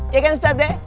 iya kan ustadz deh